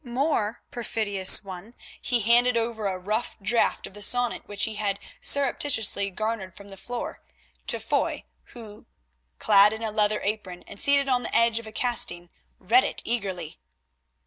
More, perfidious one, he handed over a rough draft of the sonnet which he had surreptitiously garnered from the floor, to Foy, who, clad in a leather apron, and seated on the edge of a casting, read it eagerly.